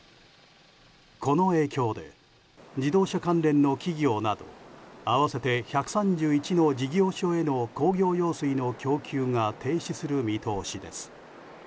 この影響で自動車関連の企業など合わせて１３１の事業所への工業用水の供給が停止する見通しです。